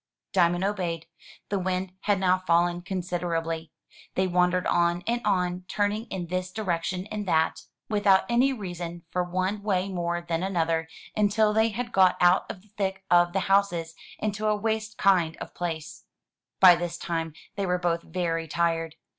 Diamond obeyed. The wind had now fallen considerably. They wandered on and on, turning in this direction and that, without any reason for one way more than another, until they had got out of the thick of the houses into a waste kind of place. 434 THROUGH FAIRY HALLS By this time they were both very tired.